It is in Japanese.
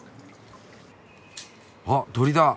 あっ鳥だ。